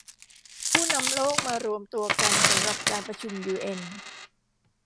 ผู้นำโลกมารวมตัวกันสำหรับการประชุมยูเอ็น